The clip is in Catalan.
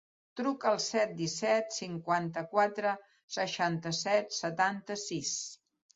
Truca al set, disset, cinquanta-quatre, seixanta-set, setanta-sis.